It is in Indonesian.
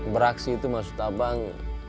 beraksi itu maksud abang